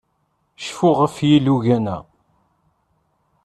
Cfu ɣef yilugan-a.